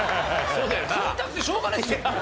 そうだよな。